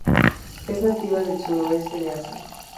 Es nativa del Suroeste de Asia.